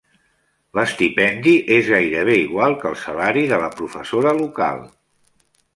L"estipendi es gairebé igual que el salari de la professora local.